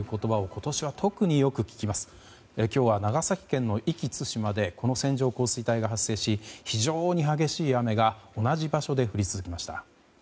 今日は、長崎県の壱岐・対馬でこの線状降水帯が発生し非常に激しい雨が同じ場所で降り続きました。